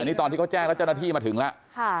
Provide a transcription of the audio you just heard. นี่ตอนที่เขาแจ้งแล้วเจ้าหน้าที่มาถึงแล้ว